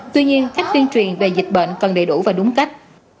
tuy nhiên cách tuyên truyền về dịch bệnh cần đầy đủ và đúng cách